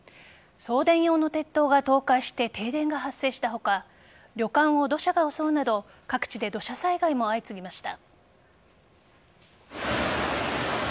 送電用の鉄塔が倒壊して停電が発生した他旅館を土砂が襲うなど各地で土砂災害も相次ぎました。